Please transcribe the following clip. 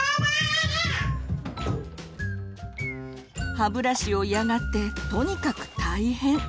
歯ブラシを嫌がってとにかく大変。